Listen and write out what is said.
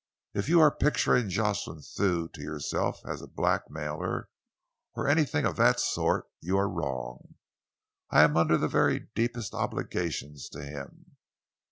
"If you are picturing Jocelyn Thew to yourself as a blackmailer, or anything of that sort, you are wrong. I am under the very deepest obligations to him."